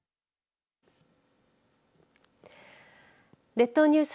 列島ニュース